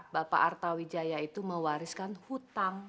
bapak arta wijaya itu mewariskan hutang